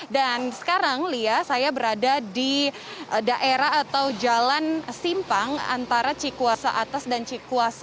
dan sekarang liya saya berada di daerah atau jalan simpang antara cikuasa atas dan cikuasa